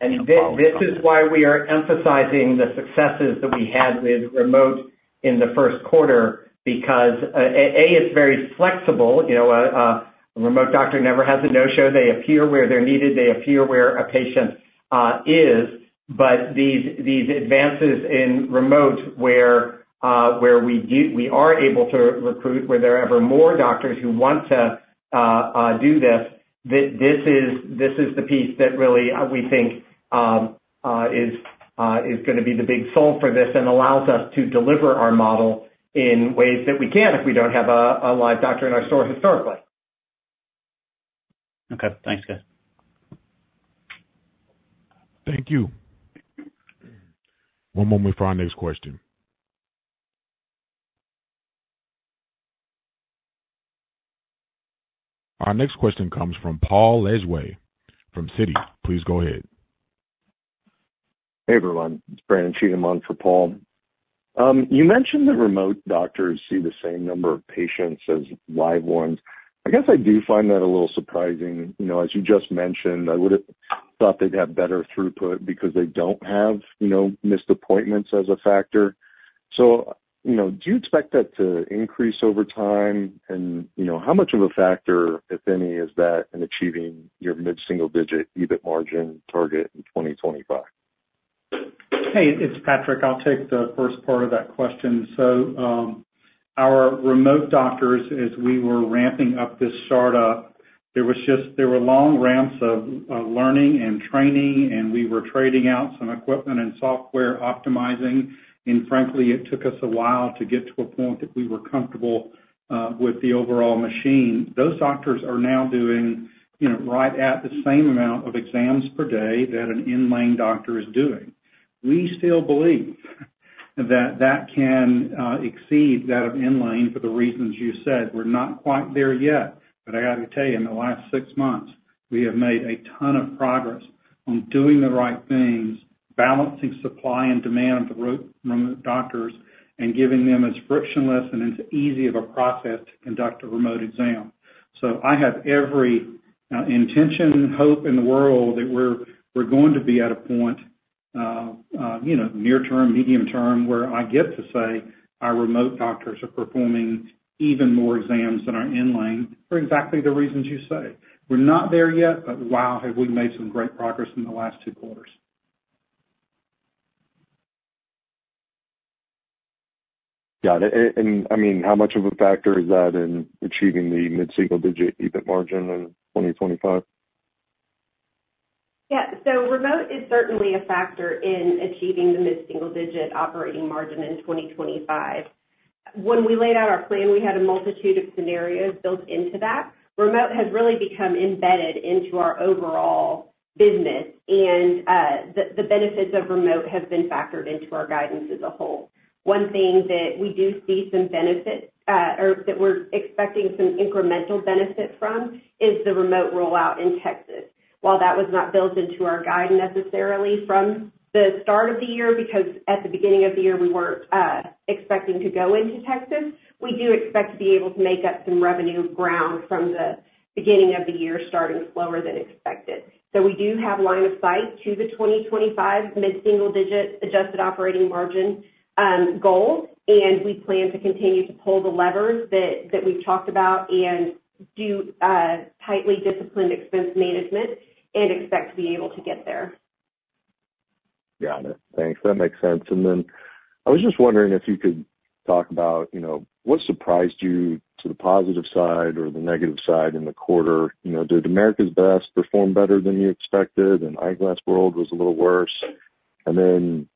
flow through? This is why we are emphasizing the successes that we had with Remote in the first quarter because, A, it's very flexible. A remote doctor never has a no-show. They appear where they're needed. They appear where a patient is. But these advances in Remote where we are able to recruit, where there are ever more doctors who want to do this, this is the piece that really we think is going to be the big solution for this and allows us to deliver our model in ways that we can't if we don't have a live doctor in our store historically. Okay. Thanks, guys. Thank you. One moment for our next question. Our next question comes from Paul Lejuez from Citi. Please go ahead. Hey, everyone. It's Brandon Cheatham on for Paul. You mentioned that remote doctors see the same number of patients as live ones. I guess I do find that a little surprising. As you just mentioned, I would have thought they'd have better throughput because they don't have missed appointments as a factor. So do you expect that to increase over time? And how much of a factor, if any, is that in achieving your mid-single-digit EBIT margin target in 2025? Hey, it's Patrick. I'll take the first part of that question. So our remote doctors, as we were ramping up this startup, there were long ramps of learning and training, and we were trading out some equipment and software optimizing. And frankly, it took us a while to get to a point that we were comfortable with the overall machine. Those doctors are now doing right at the same amount of exams per day that an in-line doctor is doing. We still believe that that can exceed that of in-line for the reasons you said. We're not quite there yet. But I got to tell you, in the last six months, we have made a ton of progress on doing the right things, balancing supply and demand of the remote doctors, and giving them as frictionless and as easy of a process to conduct a remote exam. I have every intention, hope in the world that we're going to be at a point, near-term, medium-term, where I get to say our remote doctors are performing even more exams than our in-line for exactly the reasons you say. We're not there yet, but wow, have we made some great progress in the last two quarters. Got it. I mean, how much of a factor is that in achieving the mid-single-digit EBIT margin in 2025? Yeah. So Remote is certainly a factor in achieving the mid-single-digit operating margin in 2025. When we laid out our plan, we had a multitude of scenarios built into that. Remote has really become embedded into our overall business, and the benefits of Remote have been factored into our guidance as a whole. One thing that we do see some benefit or that we're expecting some incremental benefit from is the remote rollout in Texas. While that was not built into our guide necessarily from the start of the year because at the beginning of the year, we weren't expecting to go into Texas, we do expect to be able to make up some revenue ground from the beginning of the year starting slower than expected. So we do have line of sight to the 2025 mid-single-digit adjusted operating margin goal, and we plan to continue to pull the levers that we've talked about and do tightly disciplined expense management and expect to be able to get there. Got it. Thanks. That makes sense. And then I was just wondering if you could talk about what surprised you to the positive side or the negative side in the quarter. Did America's Best perform better than you expected? And Eyeglass World was a little worse. And then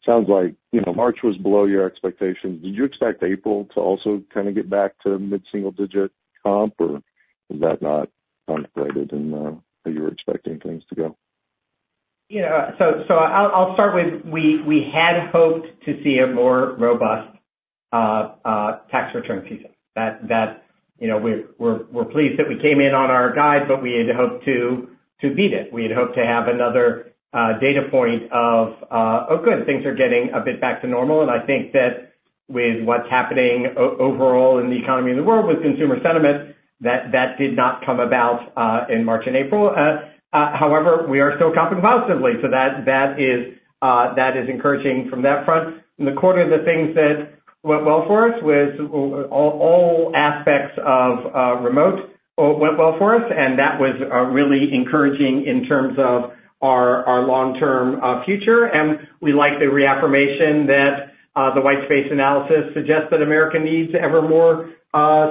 it sounds like March was below your expectations. Did you expect April to also kind of get back to mid-single-digit comp, or was that not kind of graded in how you were expecting things to go? So I'll start with we had hoped to see a more robust tax return season. We're pleased that we came in on our guide, but we had hoped to beat it. We had hoped to have another data point of, "Oh, good. Things are getting a bit back to normal." I think that with what's happening overall in the economy and the world with consumer sentiment, that did not come about in March and April. However, we are still comping positively, so that is encouraging from that front. In the quarter, the things that went well for us was all aspects of Remote went well for us, and that was really encouraging in terms of our long-term future. We like the reaffirmation that the whitespace analysis suggests that America needs ever more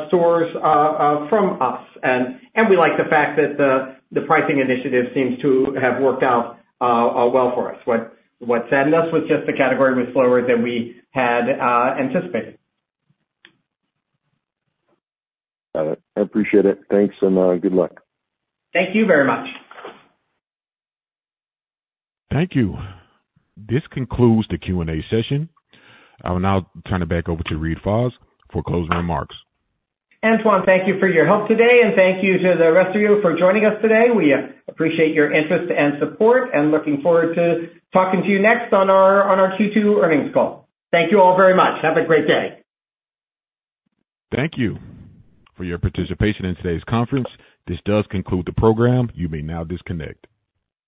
stores from us. We like the fact that the pricing initiative seems to have worked out well for us. What saddened us was just the category was slower than we had anticipated. Got it. I appreciate it. Thanks, and good luck. Thank you very much. Thank you. This concludes the Q&A session. I will now turn it back over to Reade Fahs for closing remarks. Antoine, thank you for your help today, and thank you to the rest of you for joining us today. We appreciate your interest and support and looking forward to talking to you next on our Q2 earnings call. Thank you all very much. Have a great day. Thank you for your participation in today's conference. This does conclude the program. You may now disconnect.